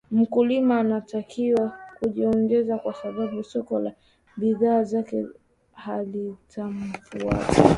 Mkulima anatakiwa kujiongeza kwa sababu soko la bidhaa zake halitamfuata